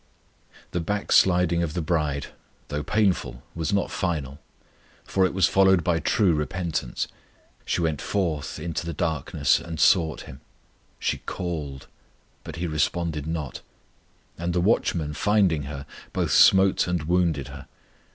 The backsliding of the bride, though painful, was not final; for it was followed by true repentance. She went forth into the darkness and sought Him; she called, but He responded not, and the watchmen finding her, both smote and wounded her.